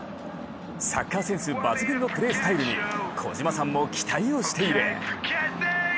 サッカーセンス抜群のプレースタイルに小島さんも期待をしている。